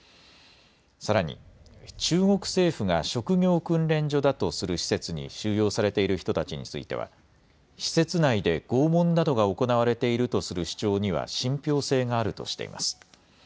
さらに中国政府が職業訓練所だとする施設に収容されている人たちについては施設内で拷問などが行われているとする主張には信ぴょう性があるとしています。